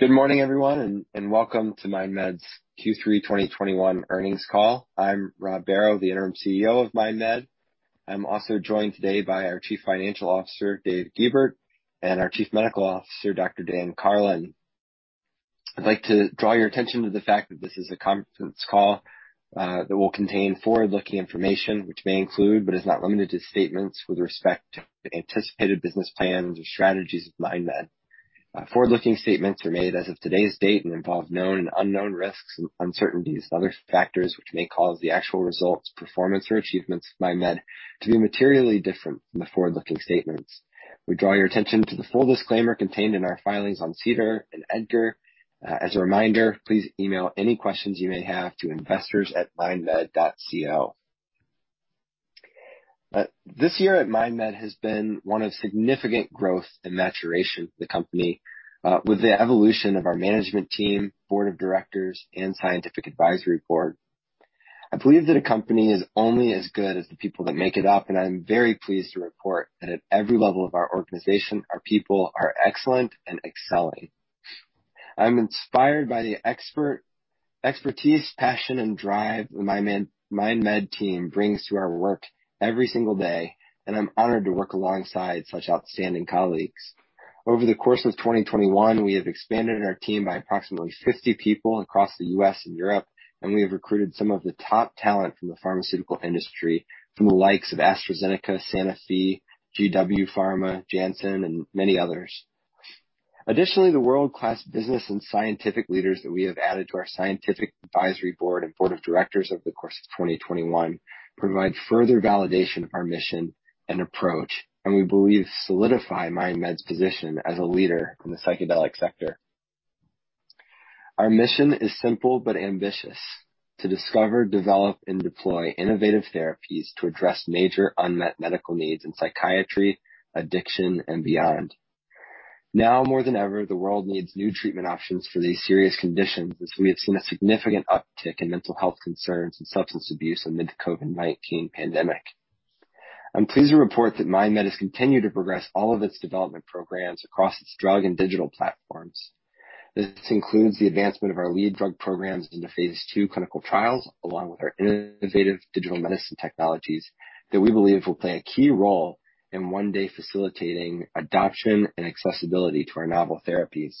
Good morning, everyone, and welcome to MindMed's Q3 2021 earnings call. I'm Rob Barrow, the interim CEO of MindMed. I'm also joined today by our chief financial officer, Dave Gibert, and our chief medical officer, Dr. Dan Karlin. I'd like to draw your attention to the fact that this is a conference call that will contain forward-looking information which may include, but is not limited to, statements with respect to anticipated business plans or strategies of MindMed. Forward-looking statements are made as of today's date and involve known and unknown risks and uncertainties and other factors which may cause the actual results, performance or achievements of MindMed to be materially different from the forward-looking statements. We draw your attention to the full disclaimer contained in our filings on SEDAR and EDGAR. As a reminder, please email any questions you may have to investors@mindmed.co. This year at MindMed has been one of significant growth and maturation of the company, with the evolution of our management team, board of directors and scientific advisory board. I believe that a company is only as good as the people that make it up, and I am very pleased to report that at every level of our organization, our people are excellent and excelling. I'm inspired by the expertise, passion and drive the MindMed team brings to our work every single day, and I'm honored to work alongside such outstanding colleagues. Over the course of 2021, we have expanded our team by approximately 50 people across the U.S. and Europe, and we have recruited some of the top talent from the pharmaceutical industry, from the likes of AstraZeneca, Sanofi, GW Pharma, Janssen and many others. Additionally, the world-class business and scientific leaders that we have added to our scientific advisory board and board of directors over the course of 2021 provide further validation of our mission and approach, and we believe solidify MindMed's position as a leader in the psychedelic sector. Our mission is simple but ambitious. To discover, develop and deploy innovative therapies to address major unmet medical needs in psychiatry, addiction and beyond. Now more than ever, the world needs new treatment options for these serious conditions, as we have seen a significant uptick in mental health concerns and substance abuse amid the COVID-19 pandemic. I'm pleased to report that MindMed has continued to progress all of its development programs across its drug and digital platforms. This includes the advancement of our lead drug programs into phase II clinical trials, along with our innovative digital medicine technologies that we believe will play a key role in one day facilitating adoption and accessibility to our novel therapies.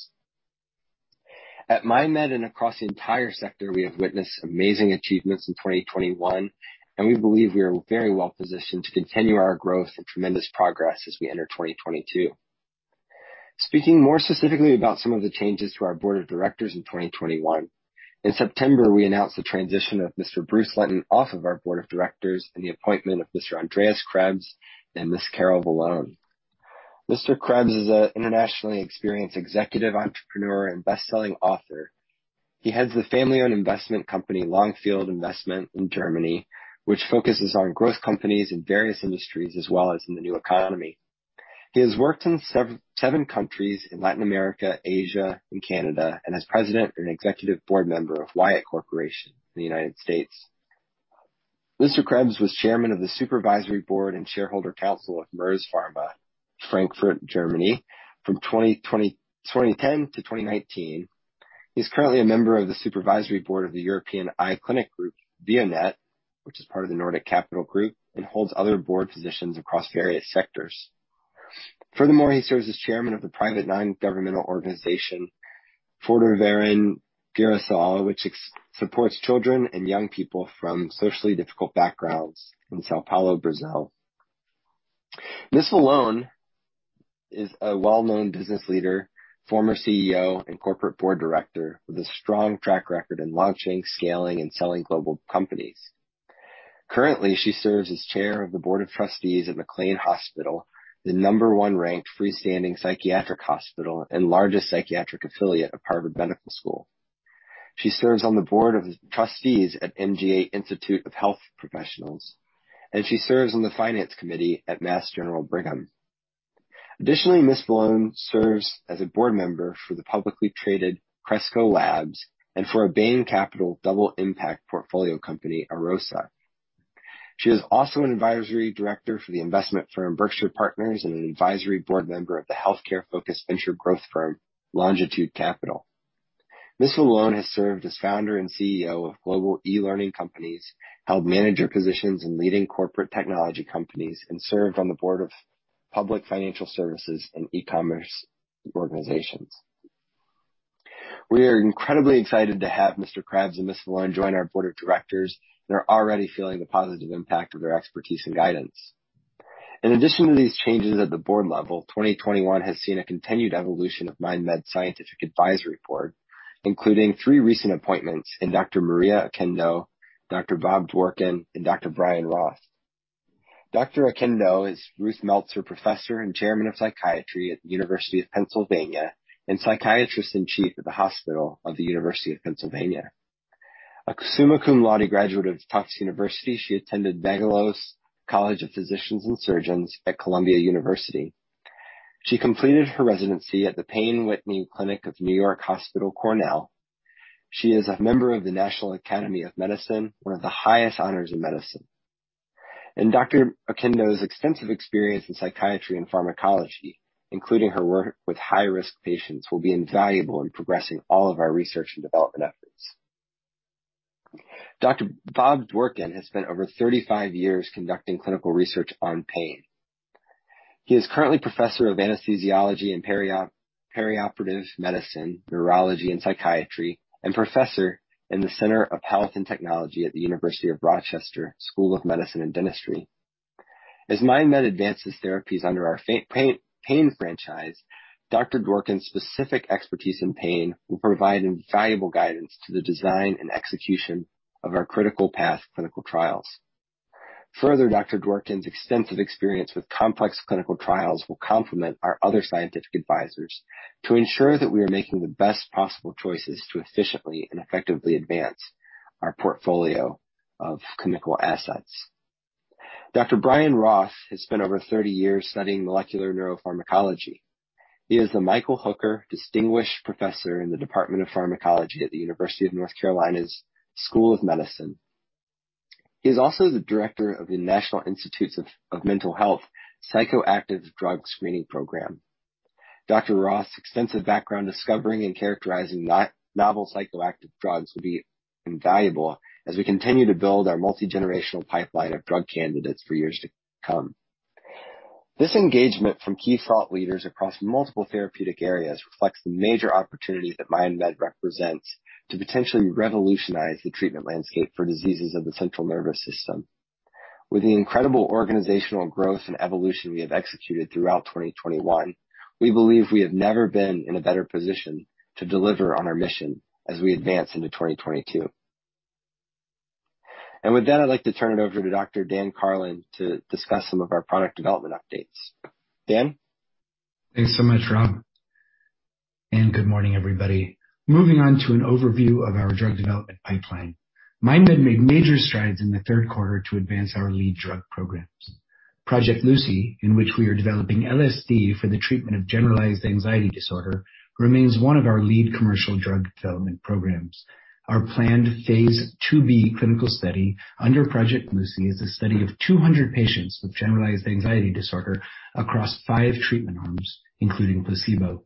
At MindMed and across the entire sector, we have witnessed amazing achievements in 2021, and we believe we are very well positioned to continue our growth and tremendous progress as we enter 2022. Speaking more specifically about some of the changes to our board of directors in 2021. In September, we announced the transition of Mr. Bruce Linton off of our board of directors and the appointment of Mr. Andreas Krebs and Ms. Carol Vallone. Mr. Krebs is an internationally experienced executive entrepreneur and best-selling author. He heads the family-owned investment company Longfield Invest in Germany, which focuses on growth companies in various industries as well as in the new economy. He has worked in seven countries in Latin America, Asia and Canada, and as president and executive board member of Wyeth Corporation in the United States. Mr. Krebs was chairman of the supervisory board and shareholder council of Merz Pharma, Frankfurt, Germany from 2010 to 2019. He's currently a member of the supervisory board of EuroEyes, Veonet, which is part of the Nordic Capital Group, and holds other board positions across various sectors. Furthermore, he serves as chairman of the private non-governmental organization Förderverein Girassol, which supports children and young people from socially difficult backgrounds in São Paulo, Brazil. Ms. Vallone is a well-known business leader, former CEO and corporate board director with a strong track record in launching, scaling and selling global companies. Currently, she serves as chair of the board of trustees at McLean Hospital, the number one ranked freestanding psychiatric hospital and largest psychiatric affiliate of Harvard Medical School. She serves on the board of trustees at MGH Institute of Health Professions, and she serves on the finance committee at Mass General Brigham. Additionally, Ms. Vallone serves as a board member for the publicly traded Cresco Labs and for a Bain Capital double impact portfolio company, Arosa. She is also an advisory director for the investment firm Berkshire Partners and an advisory board member of the healthcare focused venture growth firm Longitude Capital. Ms. Vallone has served as founder and CEO of global e-learning companies, held manager positions in leading corporate technology companies, and served on the board of public financial services and e-commerce organizations. We are incredibly excited to have Mr. Krebs and Ms. Vallone join our board of directors. They're already feeling the positive impact of their expertise and guidance. In addition to these changes at the board level, 2021 has seen a continued evolution of MindMed's scientific advisory board, including three recent appointments in Dr. Maria Akindele, Dr. Robert Dworkin, and Dr. Bryan Roth. Dr. Akindele is Ruth Meltzer Professor and Chairman of Psychiatry at the University of Pennsylvania, and Psychiatrist in Chief at the Hospital of the University of Pennsylvania. A summa cum laude graduate of Tufts University, she attended Vagelos College of Physicians and Surgeons at Columbia University. She completed her residency at the Payne Whitney Clinic of New York Hospital-Cornell Medical Center. She is a member of the National Academy of Medicine, one of the highest honors in medicine. Dr. Oquendo's extensive experience in psychiatry and pharmacology, including her work with high-risk patients, will be invaluable in progressing all of our research and development efforts. Dr. Bob Dworkin has spent over 35 years conducting clinical research on pain. He is currently professor of anesthesiology and perioperative medicine, neurology, and psychiatry, and professor in the Center for Health and Technology at the University of Rochester School of Medicine and Dentistry. As MindMed advances therapies under our pain franchise, Dr. Dworkin's specific expertise in pain will provide invaluable guidance to the design and execution of our critical path clinical trials. Further, Dr. Dworkin's extensive experience with complex clinical trials will complement our other scientific advisors to ensure that we are making the best possible choices to efficiently and effectively advance our portfolio of clinical assets. Dr. Bryan Roth has spent over 30 years studying molecular neuropharmacology. He is the Michael Hooker Distinguished Professor in the Department of Pharmacology at the University of North Carolina School of Medicine. He is also the director of the National Institute of Mental Health Psychoactive Drug Screening Program. Dr. Roth's extensive background discovering and characterizing novel psychoactive drugs will be invaluable as we continue to build our multi-generational pipeline of drug candidates for years to come. This engagement from key thought leaders across multiple therapeutic areas reflects the major opportunity that MindMed represents to potentially revolutionize the treatment landscape for diseases of the central nervous system. With the incredible organizational growth and evolution we have executed throughout 2021, we believe we have never been in a better position to deliver on our mission as we advance into 2022. With that, I'd like to turn it over to Dr. Dan Karlin to discuss some of our product development updates. Dan. Thanks so much, Rob, and good morning, everybody. Moving on to an overview of our drug development pipeline. MindMed made major strides in the third quarter to advance our lead drug programs. Project Lucy, in which we are developing LSD for the treatment of Generalized Anxiety Disorder, remains one of our lead commercial drug development programs. Our planned phase IIb clinical study under Project Lucy is a study of 200 patients with Generalized Anxiety Disorder across five treatment arms, including placebo.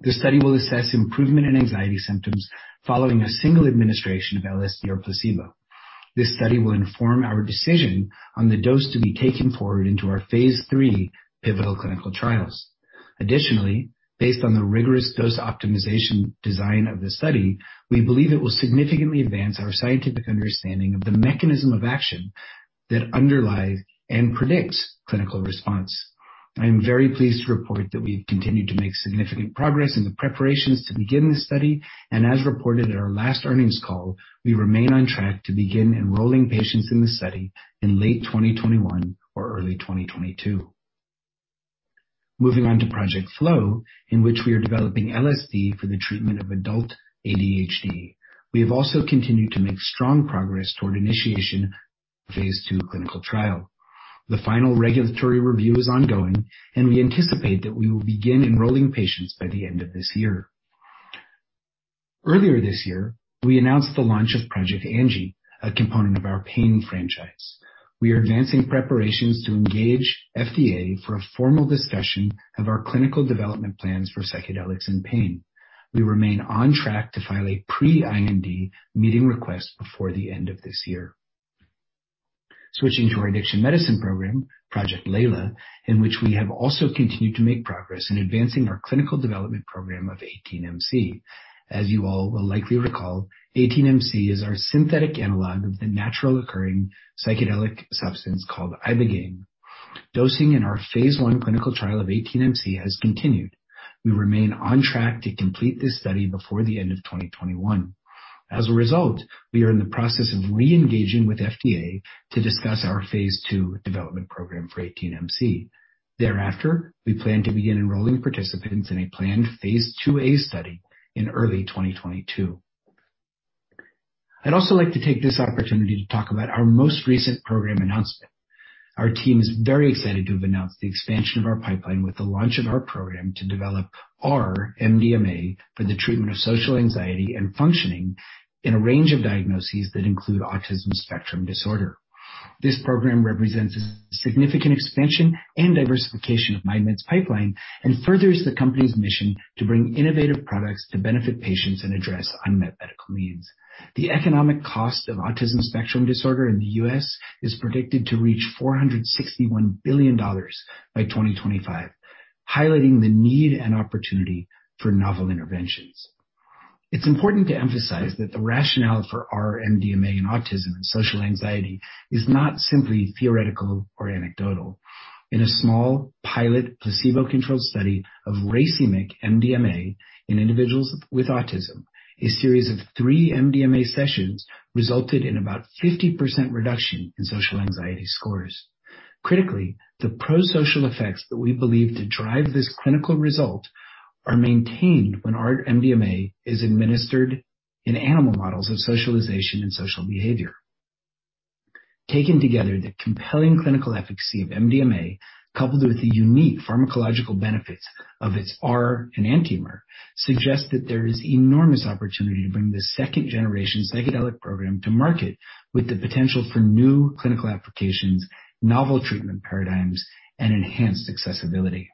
The study will assess improvement in anxiety symptoms following a single administration of LSD or placebo. This study will inform our decision on the dose to be taken forward into our phase III pivotal clinical trials. Additionally, based on the rigorous dose optimization design of the study, we believe it will significantly advance our scientific understanding of the mechanism of action that underlies and predicts clinical response. I am very pleased to report that we've continued to make significant progress in the preparations to begin this study, and as reported at our last earnings call, we remain on track to begin enrolling patients in the study in late 2021 or early 2022. Moving on to Project Flow, in which we are developing LSD for the treatment of adult ADHD. We have also continued to make strong progress toward initiation of phase II clinical trial. The final regulatory review is ongoing, and we anticipate that we will begin enrolling patients by the end of this year. Earlier this year, we announced the launch of Project Angie, a component of our pain franchise. We are advancing preparations to engage FDA for a formal discussion of our clinical development plans for psychedelics and pain. We remain on track to file a pre-IND meeting request before the end of this year. Switching to our addiction medicine program, Project Layla, in which we have also continued to make progress in advancing our clinical development program of 18-MC. As you all will likely recall, 18-MC is our synthetic analog of the naturally occurring psychedelic substance called ibogaine. Dosing in our phase I clinical trial of 18-MC has continued. We remain on track to complete this study before the end of 2021. As a result, we are in the process of re-engaging with FDA to discuss our phase II development program for 18-MC. Thereafter, we plan to begin enrolling participants in a planned phase II A study in early 2022. I'd also like to take this opportunity to talk about our most recent program announcement. Our team is very excited to have announced the expansion of our pipeline with the launch of our program to develop our MDMA for the treatment of social anxiety and functioning in a range of diagnoses that include Autism Spectrum Disorder. This program represents a significant expansion and diversification of MindMed's pipeline and furthers the company's mission to bring innovative products to benefit patients and address unmet medical needs. The economic cost of Autism Spectrum Disorder in the U.S. is predicted to reach $461 billion by 2025, highlighting the need and opportunity for novel interventions. It's important to emphasize that the rationale for our MDMA in autism and social anxiety is not simply theoretical or anecdotal. In a small pilot placebo-controlled study of racemic MDMA in individuals with autism, a series of three MDMA sessions resulted in about 50% reduction in social anxiety scores. Critically, the pro-social effects that we believe to drive this clinical result are maintained when our MDMA is administered in animal models of socialization and social behavior. Taken together, the compelling clinical efficacy of MDMA, coupled with the unique pharmacological benefits of its R and enantiomer, suggests that there is enormous opportunity to bring this second-generation psychedelic program to market with the potential for new clinical applications, novel treatment paradigms, and enhanced accessibility.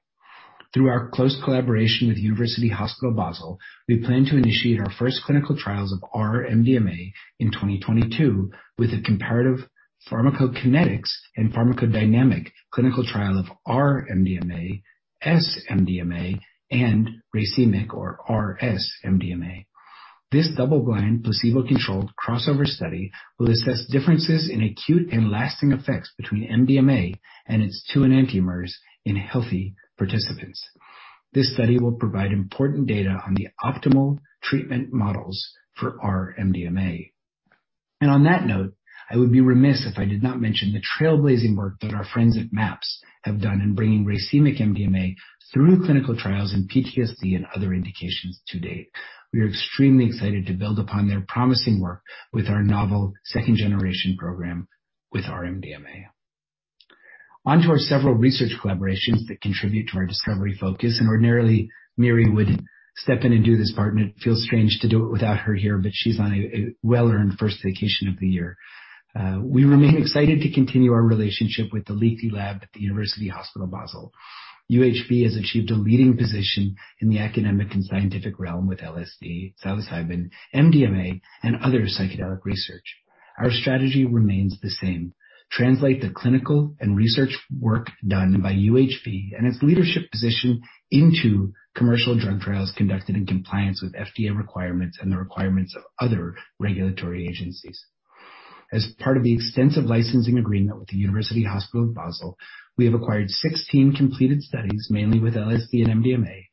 Through our close collaboration with University Hospital Basel, we plan to initiate our first clinical trials of R-MDMA in 2022 with a comparative pharmacokinetics and pharmacodynamic clinical trial of R-MDMA, S-MDMA, and racemic or RS-MDMA. This double-blind, placebo-controlled crossover study will assess differences in acute and lasting effects between MDMA and its two enantiomers in healthy participants. This study will provide important data on the optimal treatment models for R-MDMA. On that note, I would be remiss if I did not mention the trailblazing work that our friends at MAPS have done in bringing racemic MDMA through clinical trials in PTSD and other indications to date. We are extremely excited to build upon their promising work with our novel second generation program with R-MDMA. On to our several research collaborations that contribute to our discovery focus. Ordinarily, Mary would step in and do this part, and it feels strange to do it without her here, but she's on a well-earned first vacation of the year. We remain excited to continue our relationship with the Liechti Lab at the University Hospital Basel. UHB has achieved a leading position in the academic and scientific realm with LSD, psilocybin, MDMA, and other psychedelic research. Our strategy remains the same. Translate the clinical and research work done by UHB and its leadership position into commercial drug trials conducted in compliance with FDA requirements and the requirements of other regulatory agencies. As part of the extensive licensing agreement with the University Hospital Basel, we have acquired 16 completed studies, mainly with LSD and MDMA.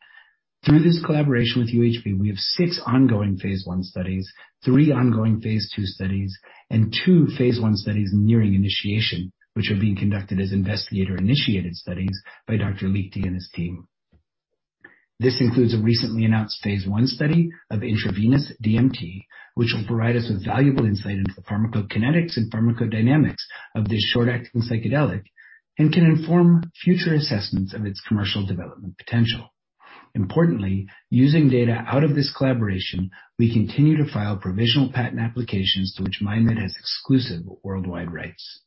Through this collaboration with UHB, we have six ongoing phase I studies, three ongoing phase II studies, and two phase I studies nearing initiation, which are being conducted as investigator-initiated studies by Dr. Liechti and his team. This includes a recently announced phase I study of intravenous DMT, which will provide us with valuable insight into the pharmacokinetics and pharmacodynamics of this short-acting psychedelic and can inform future assessments of its commercial development potential. Importantly, using data out of this collaboration, we continue to file provisional patent applications to which MindMed has exclusive worldwide rights.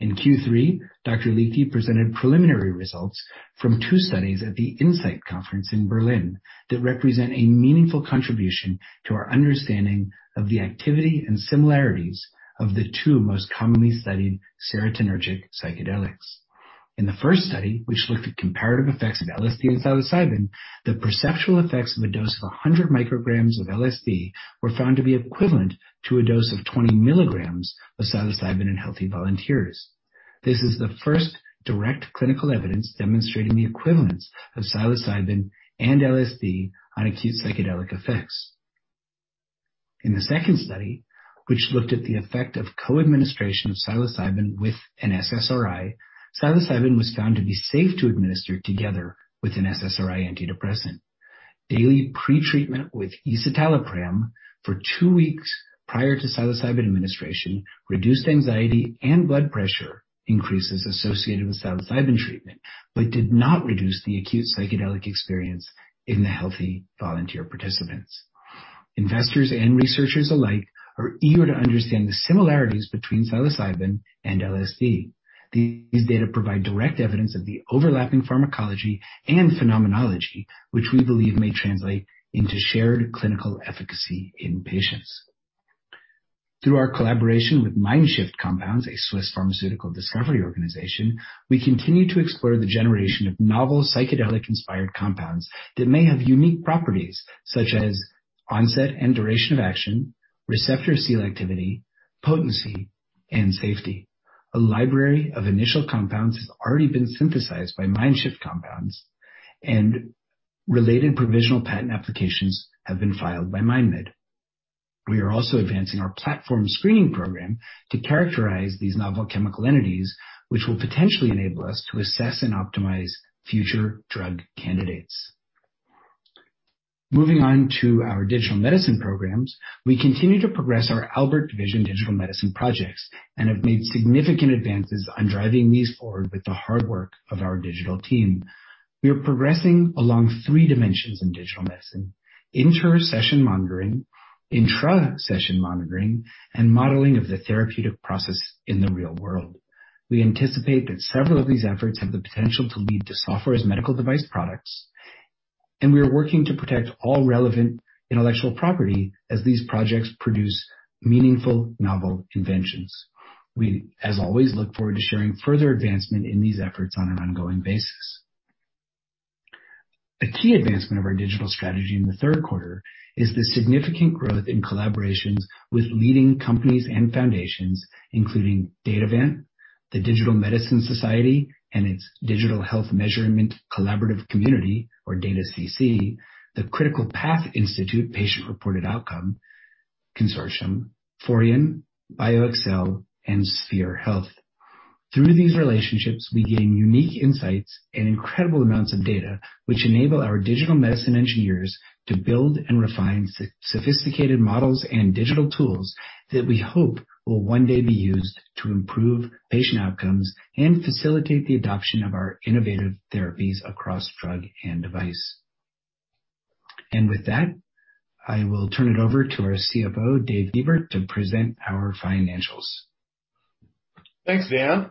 In Q3, Dr. Liechti presented preliminary results from two studies at the INSIGHT conference in Berlin that represent a meaningful contribution to our understanding of the activity and similarities of the two most commonly studied serotonergic psychedelics. In the first study, which looked at comparative effects of LSD and psilocybin, the perceptual effects of a dose of 100 μg of LSD were found to be equivalent to a dose of 20 mg of psilocybin in healthy volunteers. This is the first direct clinical evidence demonstrating the equivalence of psilocybin and LSD on acute psychedelic effects. In the second study, which looked at the effect of co-administration of psilocybin with an SSRI, psilocybin was found to be safe to administer together with an SSRI antidepressant. Daily pretreatment with escitalopram for two weeks prior to psilocybin administration reduced anxiety and blood pressure increases associated with psilocybin treatment but did not reduce the acute psychedelic experience in the healthy volunteer participants. Investors and researchers alike are eager to understand the similarities between psilocybin and LSD. These data provide direct evidence of the overlapping pharmacology and phenomenology, which we believe may translate into shared clinical efficacy in patients. Through our collaboration with MindShift Compounds, a Swiss pharmaceutical discovery organization, we continue to explore the generation of novel psychedelic-inspired compounds that may have unique properties, such as onset and duration of action, receptor selectivity, potency, and safety. A library of initial compounds has already been synthesized by MindShift Compounds, and related provisional patent applications have been filed by MindMed. We are also advancing our platform screening program to characterize these novel chemical entities, which will potentially enable us to assess and optimize future drug candidates. Moving on to our digital medicine programs. We continue to progress our Albert Division digital medicine projects and have made significant advances on driving these forward with the hard work of our digital team. We are progressing along three dimensions in digital medicine. Inter-session monitoring, intra-session monitoring, and modeling of the therapeutic process in the real world. We anticipate that several of these efforts have the potential to lead to software as medical device products, and we are working to protect all relevant intellectual property as these projects produce meaningful novel inventions. We, as always, look forward to sharing further advancement in these efforts on an ongoing basis. A key advancement of our digital strategy in the third quarter is the significant growth in collaborations with leading companies and foundations including Datavant, the Digital Medicine Society and its Digital Health Measurement Collaborative Community or DATAcc, the Critical Path Institute Patient-Reported Outcome Consortium, Forion, BioXcel, and Spherix Health. Through these relationships, we gain unique insights and incredible amounts of data which enable our digital medicine engineers to build and refine such sophisticated models and digital tools that we hope will one day be used to improve patient outcomes and facilitate the adoption of our innovative therapies across drug and device. With that, I will turn it over to our CFO, Brandi Roberts, to present our financials. Thanks, Dan.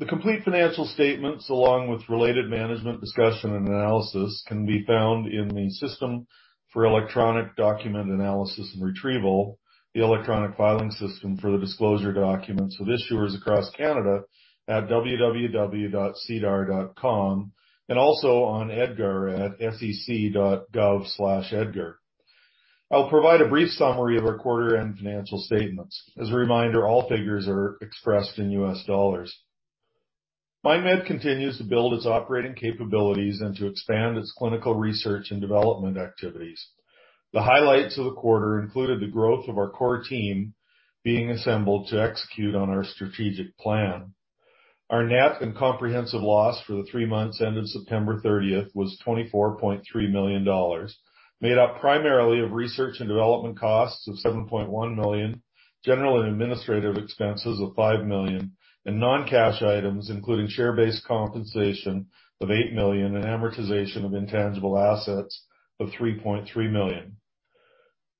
The complete financial statements, along with related management discussion and analysis, can be found in the System for Electronic Document Analysis and Retrieval, the electronic filing system for the disclosure documents of issuers across Canada at www.sedar.com, and also on EDGAR at sec.gov/edgar. I'll provide a brief summary of our quarter and financial statements. As a reminder, all figures are expressed in US dollars. MindMed continues to build its operating capabilities and to expand its clinical research and development activities. The highlights of the quarter included the growth of our core team being assembled to execute on our strategic plan. Our net and comprehensive loss for the three months ended September 30th was $24.3 million, made up primarily of research and development costs of $7.1 million, general and administrative expenses of $5 million, and non-cash items, including share-based compensation of $8 million, and amortization of intangible assets of $3.3 million.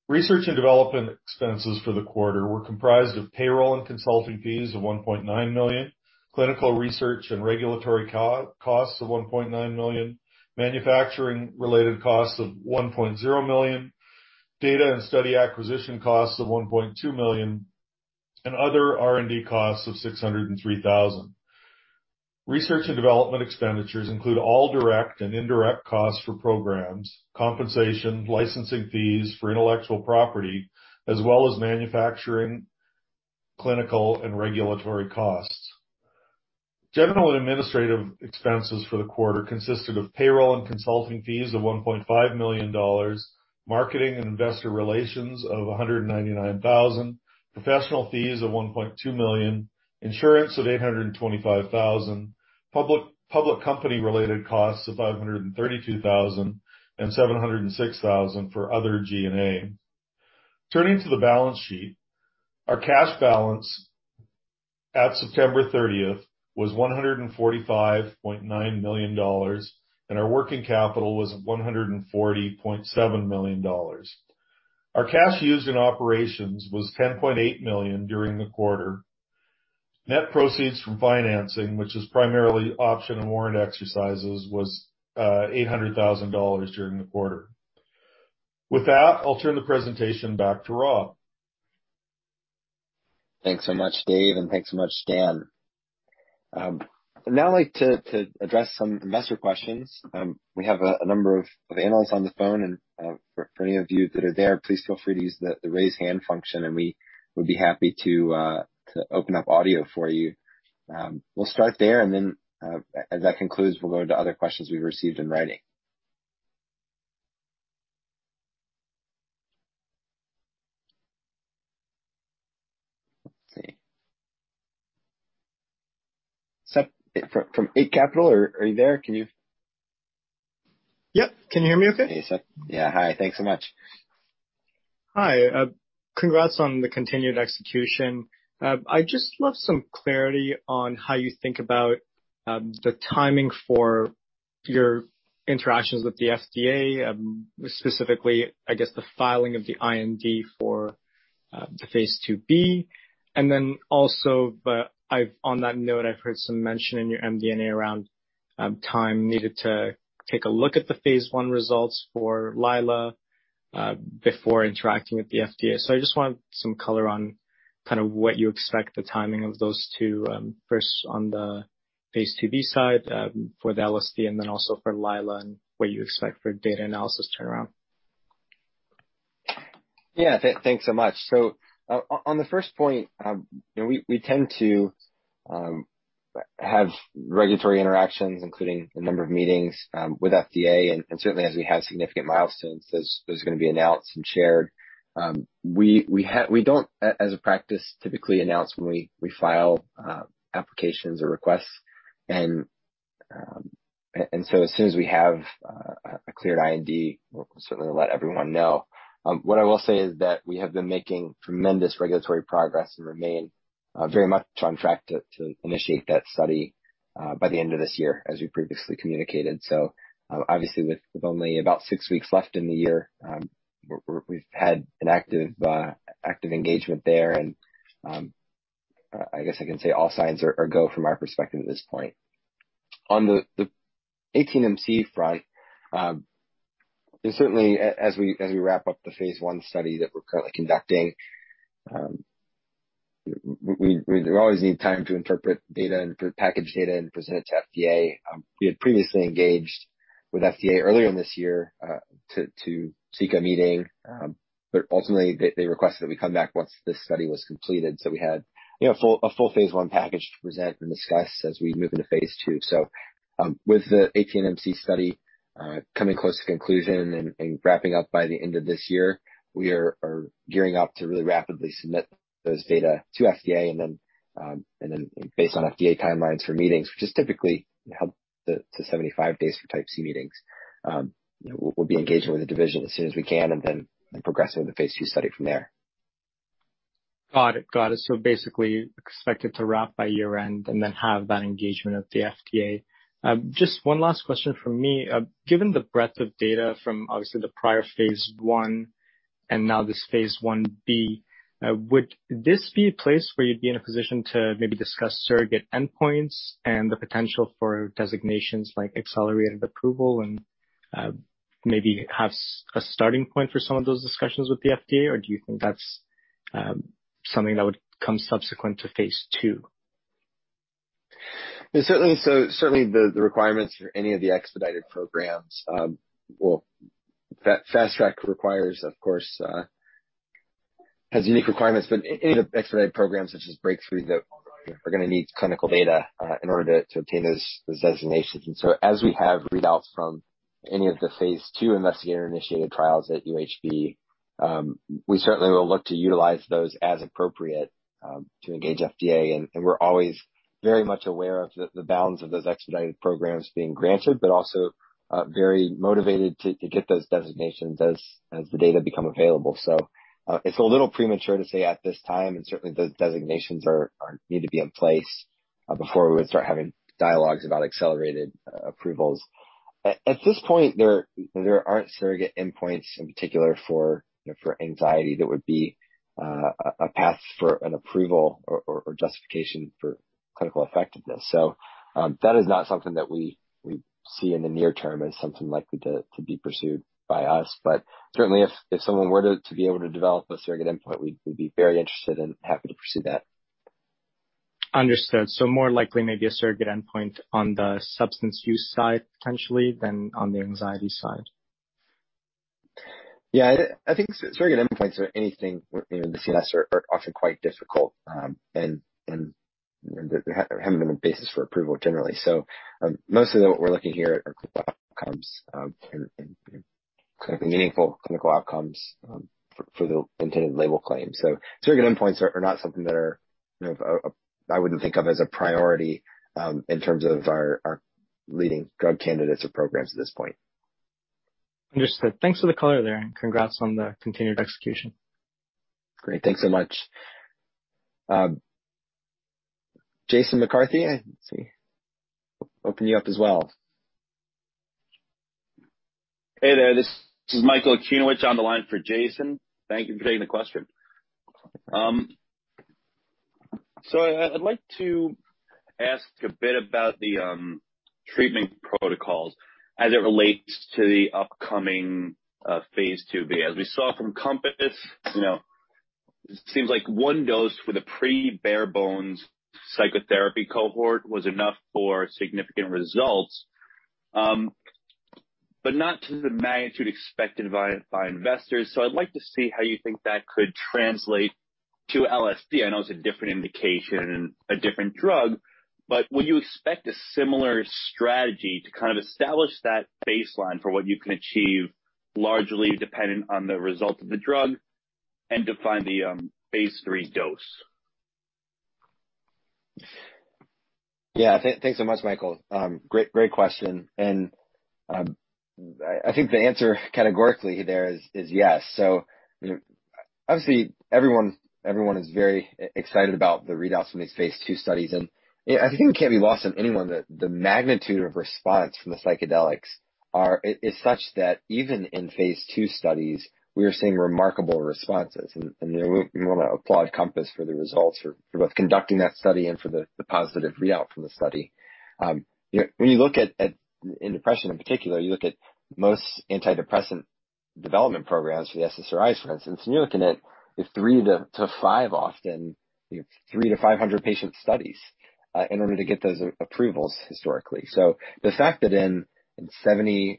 Research and development expenses for the quarter were comprised of payroll and consulting fees of $1.9 million, clinical research and regulatory costs of $1.9 million, manufacturing related costs of $1.0 million, data and study acquisition costs of $1.2 million, and other R&D costs of $603 thousand. Research and development expenditures include all direct and indirect costs for programs, compensation, licensing fees for intellectual property, as well as manufacturing, clinical, and regulatory costs. General and administrative expenses for the quarter consisted of payroll and consulting fees of $1.5 million, marketing and investor relations of $199,000, professional fees of $1.2 million, insurance of $825,000, public company related costs of $532,000, and $706,000 for other G&A. Turning to the balance sheet, our cash balance at September 30th was $145.9 million, and our working capital was $140.7 million. Our cash used in operations was $10.8 million during the quarter. Net proceeds from financing, which is primarily option and warrant exercises, was $800,000 during the quarter. With that, I'll turn the presentation back to Rob. Thanks so much, Dave, and thanks so much, Dan. I'd now like to address some investor questions. We have a number of analysts on the phone and for any of you that are there, please feel free to use the Raise Hand function, and we would be happy to open up audio for you. We'll start there and then as that concludes, we'll go into other questions we've received in writing. Let's see. Sep from Eight Capital, are you there? Can you- Yep. Can you hear me okay? Hey, Sep. Yeah. Hi. Thanks so much. Hi. Congrats on the continued execution. I'd just love some clarity on how you think about the timing for your interactions with the FDA, specifically, I guess, the filing of the IND for the phase IIb. On that note, I've heard some mention in your MD&A around time needed to take a look at the phase I results for Layla before interacting with the FDA. I just want some color on kinda what you expect the timing of those two, first on the phase IIb side, for the LSD, and then also for Layla and what you expect for data analysis turnaround. Thanks so much. On the first point, you know, we tend to have regulatory interactions, including a number of meetings, with FDA, and certainly as we have significant milestones, those are gonna be announced and shared. We don't, as a practice, typically announce when we file applications or requests. As soon as we have a cleared IND, we'll certainly let everyone know. What I will say is that we have been making tremendous regulatory progress and remain very much on track to initiate that study by the end of this year, as we previously communicated. Obviously, with only about six weeks left in the year, we've had an active engagement there. I guess I can say all signs are go from our perspective at this point. On the 18-MC front, and certainly as we wrap up the phase I study that we're currently conducting, we always need time to interpret data and package data and present it to FDA. We had previously engaged with FDA earlier in this year to seek a meeting, but ultimately they requested that we come back once this study was completed, so we had, you know, a full phase I package to present and discuss as we move into phase II. with the 18-MC study coming close to conclusion and wrapping up by the end of this year, we are gearing up to really rapidly submit those data to FDA and then based on FDA timelines for meetings, which is typically up to 75 days for type C meetings, you know, we'll be engaging with the division as soon as we can and then progressing with the phase II study from there. Got it. Basically expect it to wrap by year-end and then have that engagement at the FDA. Just one last question from me. Given the breadth of data from obviously the prior phase I and now this phase I-B, would this be a place where you'd be in a position to maybe discuss surrogate endpoints and the potential for designations like accelerated approval and maybe have a starting point for some of those discussions with the FDA? Or do you think that's something that would come subsequent to phase II? Certainly. Certainly the requirements for any of the expedited programs, Fast Track requires, of course, has unique requirements, but any of the expedited programs such as Breakthrough Therapy are gonna need clinical data, in order to obtain those designations. As we have readouts from any of the phase II investigator-initiated trials at UHB, we certainly will look to utilize those as appropriate, to engage FDA. We're always very much aware of the bounds of those expedited programs being granted, but also very motivated to get those designations as the data become available. It's a little premature to say at this time, and certainly those designations need to be in place, before we would start having dialogues about accelerated approvals. At this point, there aren't surrogate endpoints in particular for, you know, for anxiety that would be a path for an approval or justification for clinical effectiveness. That is not something that we see in the near term as something likely to be pursued by us. Certainly if someone were to be able to develop a surrogate endpoint, we'd be very interested and happy to pursue that. Understood. More likely maybe a surrogate endpoint on the substance use side potentially than on the anxiety side. Yeah. I think surrogate endpoints or anything in the CNS are often quite difficult, and they have been a basis for approval generally. Mostly what we're looking here are clinical outcomes and clinically meaningful clinical outcomes for the intended label claims. Surrogate endpoints are not something that are, you know, I wouldn't think of as a priority in terms of our leading drug candidates or programs at this point. Understood. Thanks for the color there, and congrats on the continued execution. Great. Thanks so much. Jason McCarthy. Let's see. Open you up as well. Hey there. This is Michael Okunewitch on the line for Jason McCarthy. Thank you for taking the question. So I'd like to ask a bit about the treatment protocols as it relates to the upcoming phase IIb. As we saw from COMPASS, you know, it seems like one dose with a pretty bare bones psychotherapy cohort was enough for significant results, but not to the magnitude expected by investors. I'd like to see how you think that could translate to LSD. I know it's a different indication and a different drug, but will you expect a similar strategy to kind of establish that baseline for what you can achieve, largely dependent on the result of the drug and define the phase III dose? Yeah. Thanks so much, Michael. Great question. I think the answer categorically there is yes. You know, obviously everyone is very excited about the readouts from these phase II studies. I think it can't be lost on anyone that the magnitude of response from the psychedelics is such that even in phase II studies we are seeing remarkable responses. We want to applaud COMPASS for the results for both conducting that study and for the positive readout from the study. You know, when you look at in depression in particular, you look at most antidepressant development programs for the SSRIs, for instance, and you're looking at 300-500 patient studies often, you know, in order to get those approvals historically. The fact that in 70-80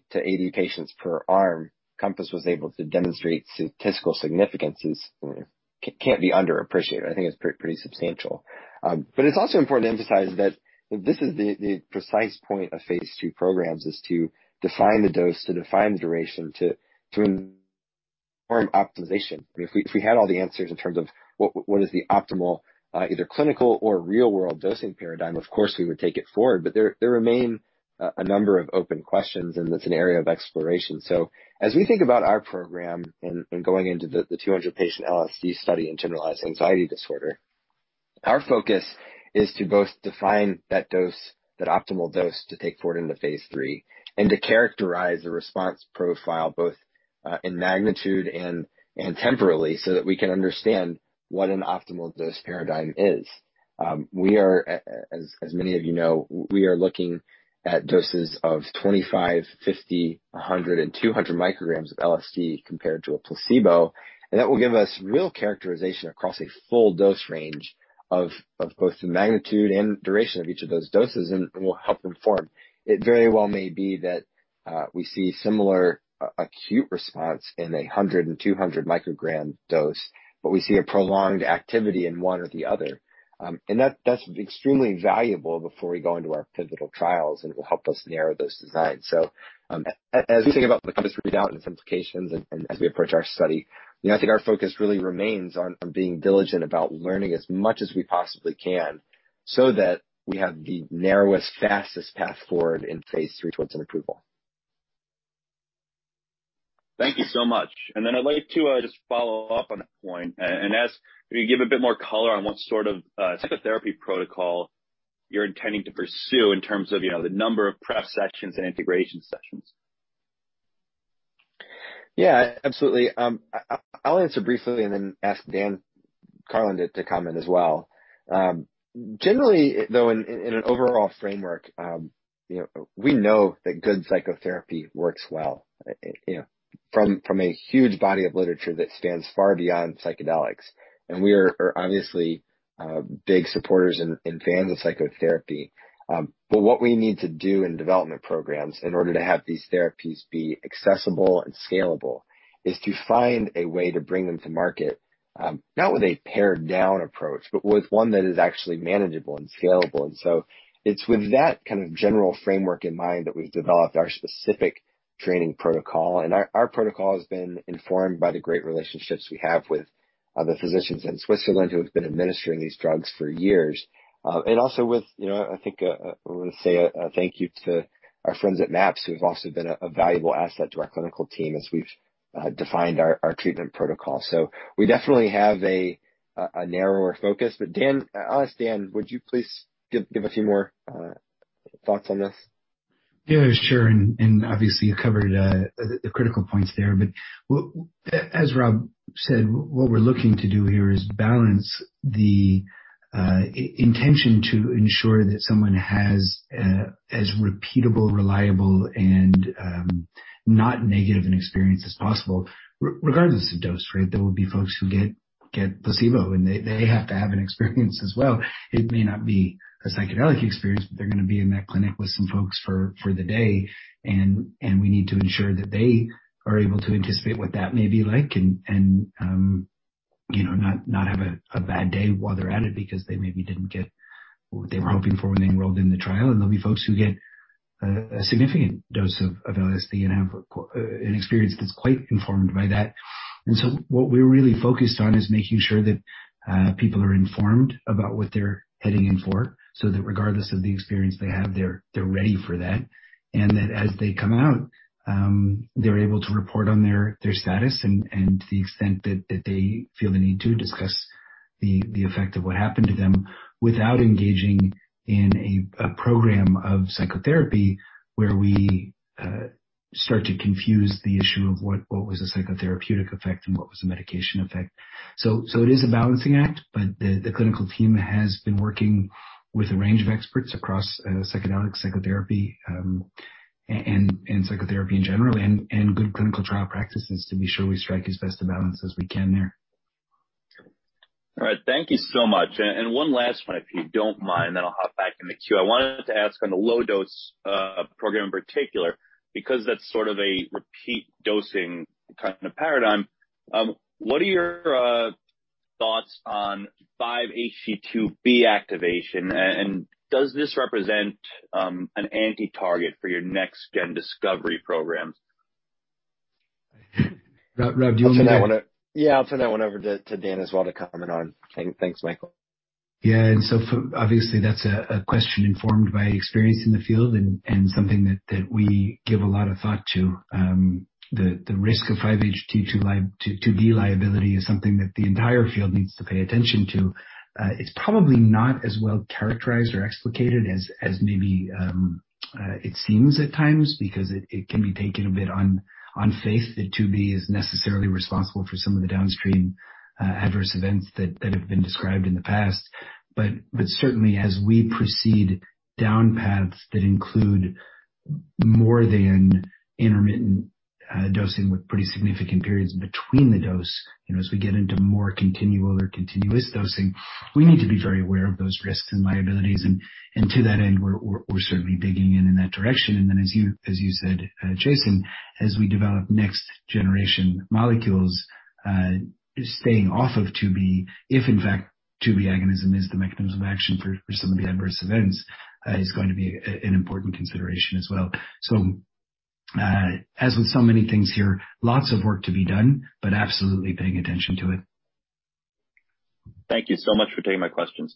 patients per arm, Compass was able to demonstrate statistical significance is, you know, can't be underappreciated. I think it's pretty substantial. It's also important to emphasize that this is the precise point of phase II programs, is to define the dose, to define the duration to Thank you so much. I'd like to just follow up on that point and ask if you give a bit more color on what sort of psychotherapy protocol you're intending to pursue in terms of, you know, the number of prep sessions and integration sessions. Yeah, absolutely. I'll answer briefly and then ask Dan Karlin to comment as well. Generally, though, in an overall framework, you know, we know that good psychotherapy works well, you know, from a huge body of literature that stands far beyond psychedelics. We are obviously big supporters and fans of psychotherapy. What we need to do in development programs in order to have these therapies be accessible and scalable is to find a way to bring them to market, not with a pared down approach, but with one that is actually manageable and scalable. It's with that kind of general framework in mind that we've developed our specific training protocol. Our protocol has been informed by the great relationships we have with the physicians in Switzerland who have been administering these drugs for years. Also with, you know, I think, I wanna say a thank you to our friends at MAPS who have also been a valuable asset to our clinical team as we've defined our treatment protocol. We definitely have a narrower focus. Dan, I'll ask Dan. Would you please give a few more thoughts on this? Yeah, sure. Obviously you covered the critical points there. As Rob said, what we're looking to do here is balance the intention to ensure that someone has as repeatable, reliable and not negative an experience as possible regardless of dose rate. There will be folks who get placebo, and they have to have an experience as well. It may not be a psychedelic experience, but they're gonna be in that clinic with some folks for the day. We need to ensure that they are able to anticipate what that may be like and you know not have a bad day while they're at it because they maybe didn't get what they were hoping for when they enrolled in the trial. There'll be folks who get a significant dose of LSD and have an experience that's quite informed by that. What we're really focused on is making sure that people are informed about what they're heading in for so that regardless of the experience they have, they're ready for that. That as they come out, they're able to report on their status and to the extent that they feel the need to discuss the effect of what happened to them without engaging in a program of psychotherapy where we start to confuse the issue of what was the psychotherapeutic effect and what was the medication effect. It is a balancing act, but the clinical team has been working with a range of experts across psychedelic psychotherapy, and psychotherapy in general and good clinical trial practices to be sure we strike as best a balance as we can there. All right. Thank you so much. One last one, if you don't mind, then I'll hop back in the queue. I wanted to ask on the low dose program in particular, because that's sort of a repeat dosing kind of paradigm. What are your thoughts on 5-HT2B activation? Does this represent an anti-target for your next gen discovery program? Rob, do you want me to? Yeah, I'll turn that one over to Dan as well to comment on. Thanks, Michael. Yeah. Obviously, that's a question informed by experience in the field and something that we give a lot of thought to. The risk of 5-HT2B liability is something that the entire field needs to pay attention to. It's probably not as well characterized or explicated as maybe it seems at times because it can be taken a bit on faith that 2B is necessarily responsible for some of the downstream adverse events that have been described in the past. Certainly as we proceed down paths that include more than intermittent dosing with pretty significant periods between the dose, you know, as we get into more continual or continuous dosing, we need to be very aware of those risks and liabilities. To that end, we're certainly digging in that direction. As you said, Jason, as we develop next generation molecules, staying off of 2B, if in fact 2B agonism is the mechanism of action for some of the adverse events, is going to be an important consideration as well. As with so many things here, lots of work to be done, but absolutely paying attention to it. Thank you so much for taking my questions.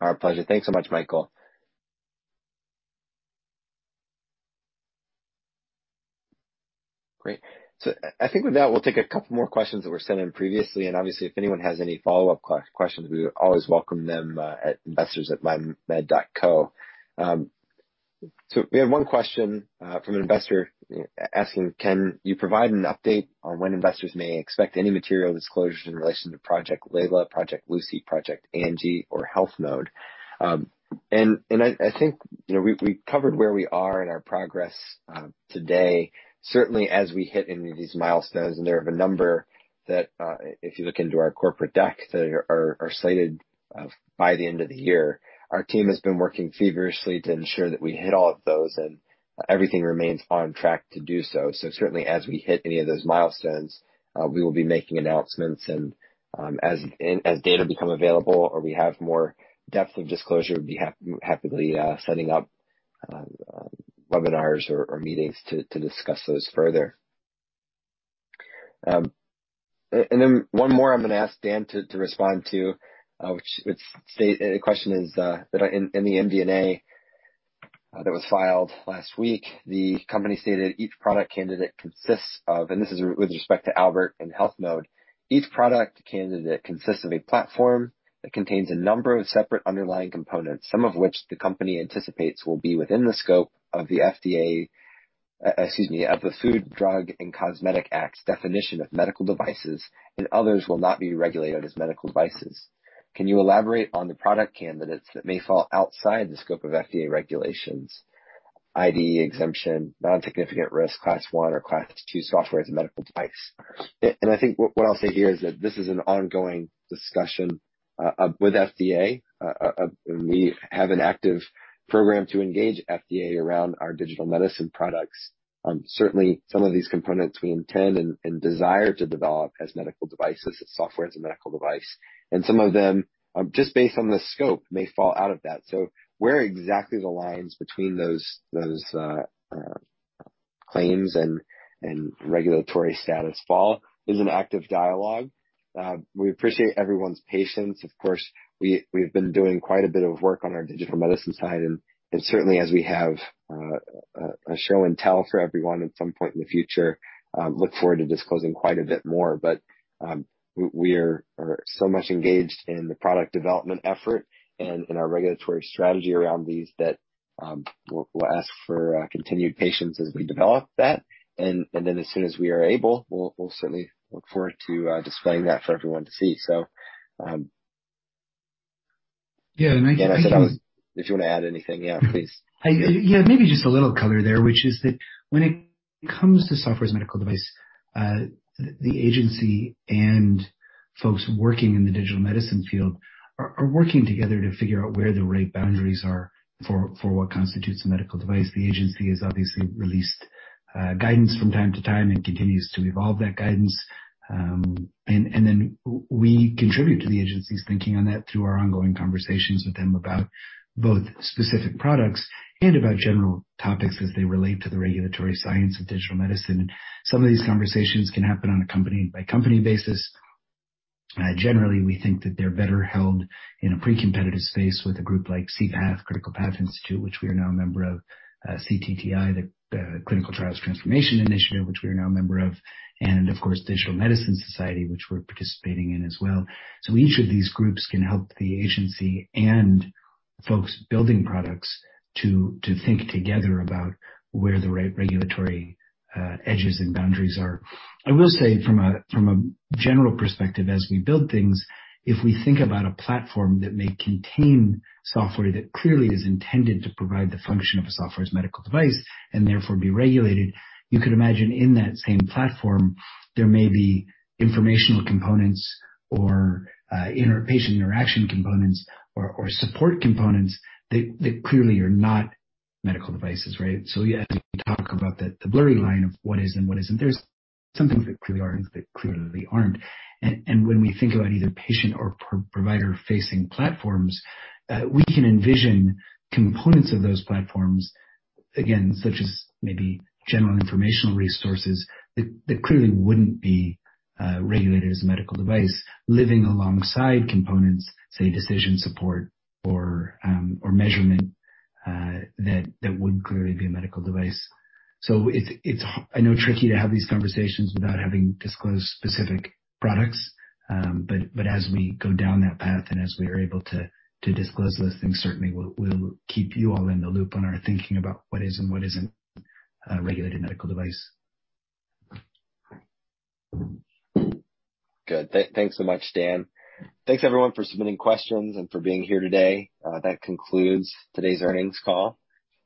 Our pleasure. Thanks so much, Michael. Great. I think with that, we'll take a couple more questions that were sent in previously, and obviously if anyone has any follow-up questions, we always welcome them at investors@mindmed.co. We have one question from an investor asking, can you provide an update on when investors may expect any material disclosures in relation to Project Layla, Project Lucy, Project Angie or HealthMode? And I think, you know, we covered where we are in our progress today, certainly as we hit any of these milestones, and there are a number that if you look into our corporate deck that are cited by the end of the year. Our team has been working feverishly to ensure that we hit all of those and everything remains on track to do so. Certainly as we hit any of those milestones, we will be making announcements and, as data become available or we have more depth of disclosure, we'll be happily setting up webinars or meetings to discuss those further. One more I'm gonna ask Dan to respond to, the question is that in the MD&A that was filed last week, the company stated each product candidate consists of—and this is with respect to Albert and HealthMode. Each product candidate consists of a platform that contains a number of separate underlying components, some of which the company anticipates will be within the scope of the Food, Drug, and Cosmetic Act's definition of medical devices, and others will not be regulated as medical devices. Can you elaborate on the product candidates that may fall outside the scope of FDA regulations, IDE exemption, non-significant risk, Class One or Class Two software as a medical device? I think what I'll say here is that this is an ongoing discussion with FDA. We have an active program to engage FDA around our digital medicine products. Certainly some of these components we intend and desire to develop as medical devices and software as a medical device. Some of them, just based on the scope, may fall out of that. Where exactly the lines between those claims and regulatory status fall is an active dialogue. We appreciate everyone's patience. Of course, we've been doing quite a bit of work on our digital medicine side, and certainly as we have a show and tell for everyone at some point in the future, we look forward to disclosing quite a bit more. We are so much engaged in the product development effort and in our regulatory strategy around these that we'll ask for continued patience as we develop that. Then as soon as we are able, we'll certainly look forward to displaying that for everyone to see. Yeah, I think. Dan, I said I was. If you wanna add anything, yeah, please. Yeah, maybe just a little color there, which is that when it comes to Software as a Medical Device, the agency and folks working in the digital medicine field are working together to figure out where the right boundaries are for what constitutes a medical device. The agency has obviously released guidance from time to time and continues to evolve that guidance. We contribute to the agency's thinking on that through our ongoing conversations with them about both specific products and about general topics as they relate to the regulatory science of digital medicine. Some of these conversations can happen on a company by company basis. Generally, we think that they're better held in a pre-competitive space with a group like CPath, Critical Path Institute, which we are now a member of, CTTI, the Clinical Trials Transformation Initiative, which we are now a member of, and of course, Digital Medicine Society, which we're participating in as well. Each of these groups can help the agency and folks building products to think together about where the regulatory edges and boundaries are. I will say from a general perspective, as we build things, if we think about a platform that may contain software that clearly is intended to provide the function of a software as a medical device and therefore be regulated, you could imagine in that same platform, there may be informational components or inter patient interaction components or support components that clearly are not medical devices, right? Yeah, as we talk about the blurry line of what is and what isn't, there's some things that clearly are and that clearly aren't. When we think about either patient or pro-provider facing platforms, we can envision components of those platforms, again, such as maybe general informational resources, that clearly wouldn't be regulated as a medical device, living alongside components, say, decision support or measurement, that would clearly be a medical device. It's tricky to have these conversations without having disclosed specific products. As we go down that path and as we are able to disclose those things, certainly we'll keep you all in the loop on our thinking about what is and what isn't a regulated medical device. Good. Thanks so much, Dan. Thanks, everyone for submitting questions and for being here today. That concludes today's earnings call.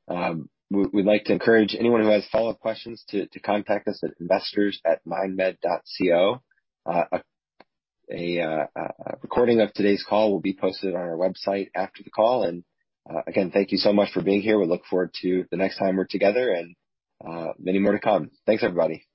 We'd like to encourage anyone who has follow-up questions to contact us at investors@mindmed.co. A recording of today's call will be posted on our website after the call. Again, thank you so much for being here. We look forward to the next time we're together and many more to come. Thanks, everybody.